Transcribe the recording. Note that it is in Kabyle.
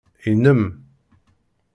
Inem.